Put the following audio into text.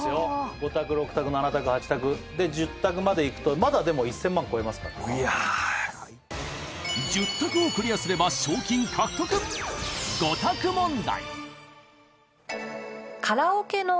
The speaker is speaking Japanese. ５択６択７択８択で１０択までいくとまだでも１０００万超えますから１０択をクリアすれば賞金獲得５択問題